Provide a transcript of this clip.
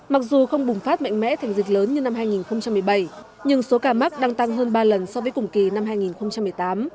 mặc dù không bùng phát mạnh mẽ thành dịch lớn như năm hai nghìn một mươi bảy nhưng số ca mắc đang tăng hơn ba lần so với cùng kỳ năm hai nghìn một mươi tám